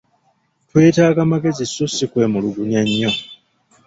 Twetaaga magezi sso si kwemulugunya nnyo.